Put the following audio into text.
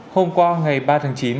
hôm qua ngày ba tháng chín